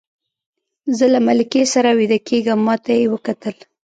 زه له ملکې سره ویده کېږم، ما ته یې وکتل.